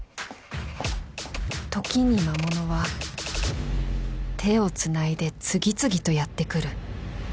時に魔物は手をつないで次々とやって来る。